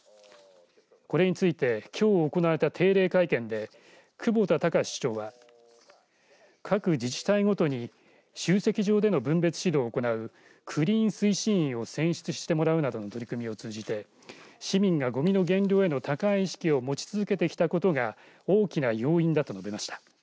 これについてきょう行われた定例会見で久保田崇市長は各自治会ごとに集積場での分別指導を行うクリーン推進員を選出してもらうなどの取り組みを通じて市民がごみの減量への高い意識を持ち続けてきたことが大きな要因だと述べました。